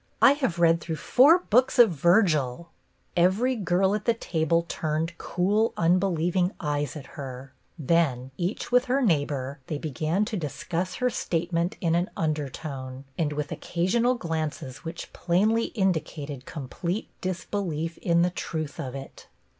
I have read through four books of Virgil." Every girl at the table turned cool, unbe lieving eyes at her; then, each with her neighbor, they began to discuss her state ment in an undertone, and with occasional glances which plainly indicated complete disbelief in the truth of it.